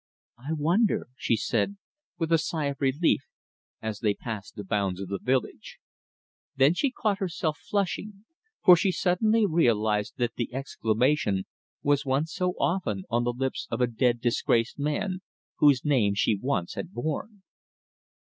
"I wonder!" she said, with a sigh of relief, as they passed the bounds of the village. Then she caught herself flushing, for she suddenly realised that the exclamation was one so often on the lips of a dead, disgraced man whose name she once had borne.